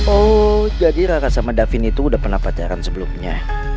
oh jadi raka sama davin itu udah pernah pacaran sebelumnya